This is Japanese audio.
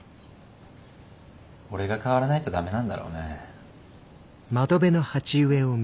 俺が変わらないとダメなんだろうね。